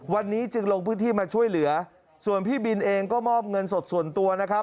วันนี้จึงลงพื้นที่มาช่วยเหลือส่วนพี่บินเองก็มอบเงินสดส่วนตัวนะครับ